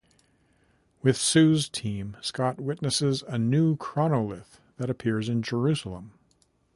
With Sue's team, Scott witnesses a new chronolith that appears in Jerusalem.